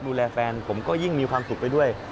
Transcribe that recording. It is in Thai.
ดูแลแฟนผมก็ยิ่งมีความสุขไปด้วย